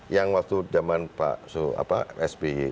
yang waktu zaman spi